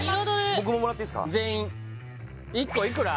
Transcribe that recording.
僕ももらっていいですか１個いくら？